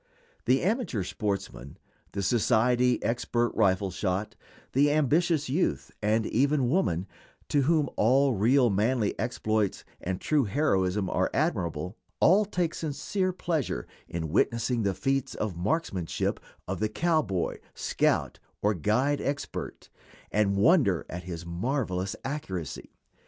The amateur sportsman, the society expert rifle shot, the ambitious youth, and even woman, to whom all real manly exploits and true heroism are admirable, all take sincere pleasure in witnessing the feats of marksmanship of the cowboy, scout, or guide expert, and wonder at his marvelous accuracy.